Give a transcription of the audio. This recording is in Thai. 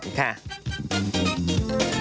โปรดติดตามตอนต่อไป